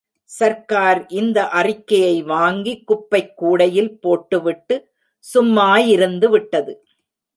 சர்க்கார் இந்த அறிக்கையை வாங்கி குப்பைக் கூடையில் போட்டுவிட்டு சும்மாயிருந்துவிட்டது.